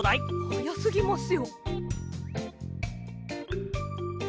はやすぎますよ。